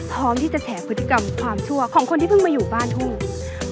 พร้อมที่จะแฉพฤติกรรมความชั่วของคนที่เพิ่งมาอยู่บ้านทุ่ง